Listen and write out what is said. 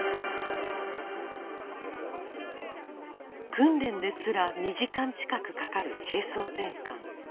訓練ですら２時間近くかかる兵装転換。